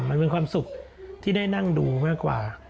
มันเป็นความสุขที่ได้นั่งดูมากกว่า